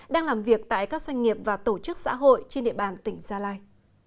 đang làm việc tại các doanh nghiệp và tổ chức xã hội trên địa bàn tỉnh gia lai